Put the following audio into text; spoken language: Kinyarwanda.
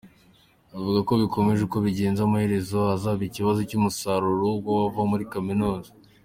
Avuga ko bikomeje uko bimeze amaherezo hazaba ikibazo cy’umusaruro w’abava muri kaminuza.